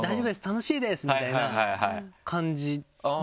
「楽しいです！」みたいな感じぐらい。